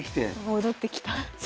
戻ってきた。